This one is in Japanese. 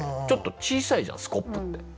ちょっと小さいじゃんスコップって。